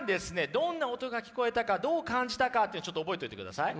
どんな音が聞こえたかどう感じたかってちょっと覚えといてください。